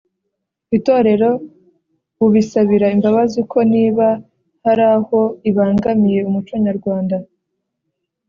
Itorero bubisabira imbabazi ko niba hari aho ibangamiye umuco nyarwanda